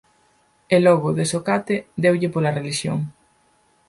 E, logo, de socate, deulle pola relixión.